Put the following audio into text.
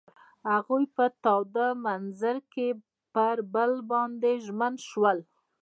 هغوی په تاوده منظر کې پر بل باندې ژمن شول.